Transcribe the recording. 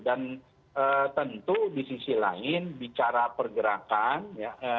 dan tentu di sisi lain bicara pergerakan ya